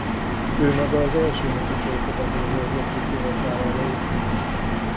Ő maga az első neki csókot adó hölgyet viszi oltár elé.